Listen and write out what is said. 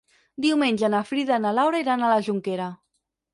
Diumenge na Frida i na Laura iran a la Jonquera.